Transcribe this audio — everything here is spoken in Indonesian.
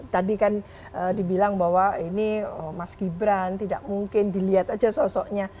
tadi kan dibilang bahwa ini mas gibran tidak mungkin dilihat aja sosoknya